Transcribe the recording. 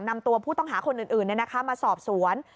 นำตัวผู้ต้องหาคนอื่นมาสอบสวน